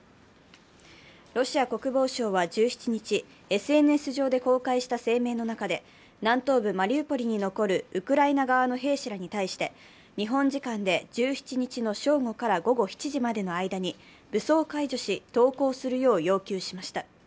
ロシア国防省は１７日、ＳＮＳ上で公開した声明の中で南東部マリウポリに残るウクライナ側の兵士らに対して、日本時間で１７日の正午から午後７時までの間に武装解除し、投降するよう要求しました。